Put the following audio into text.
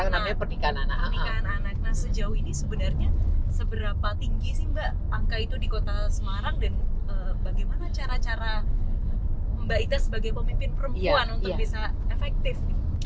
jika menurunkan angka pernikahan anak sekarang namanya pernikahan anak anak pernikahan anak sejauh ini sebenarnya seberapa tinggi sih mbak angka itu di kota s